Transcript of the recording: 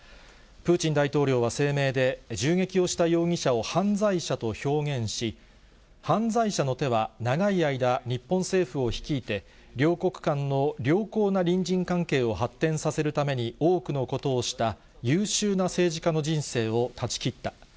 プーチン大統領は声明で、銃撃をした容疑者を犯罪者と表現し、犯罪者の手は長い間、日本政府を率いて、両国間の良好な隣人関係を発展させるために多くのことをした、優秀な政治家の人生を断ち切った。